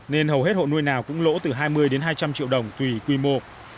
nên hầu hết hộ nuôi nào cũng lỗ từ hai mươi đến hai trăm linh triệu đồng tùy quy mô